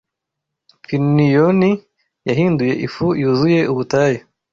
Pinioni yahinduye ifu yuzuye Ubutayu